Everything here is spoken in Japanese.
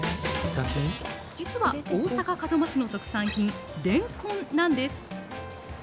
実は大阪・門真市の特産品、レンコンなんです。